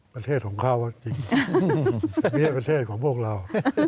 ประเทศของเขาจริงประเทศของพวกเรา